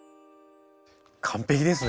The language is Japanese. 完璧ですね。